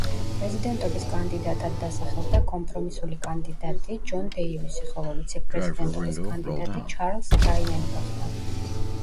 პრეზიდენტობის კანდიდატად დასახელდა კომპრომისული კანდიდატი ჯონ დეივისი, ხოლო ვიცე-პრეზიდენტობის კანდიდატი ჩარლზ ბრაიანი გახდა.